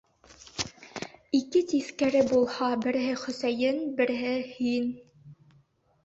Ике тиҫкәре буһа, береһе Хөсәйен, береһе һин!